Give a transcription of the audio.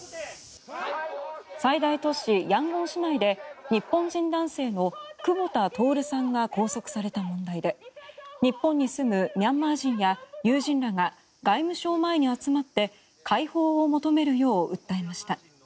最大都市ヤンゴン市内で日本人男性の久保田徹さんが拘束された問題で日本に住むミャンマー人や友人らが外務省前に集まって解放を求めるよう訴えました。